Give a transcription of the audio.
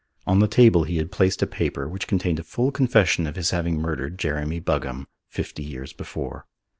On the table he had placed a paper which contained a full confession of his having murdered Jeremy Buggam fifty years before.